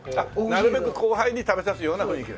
なるべく後輩に食べさせるような雰囲気で。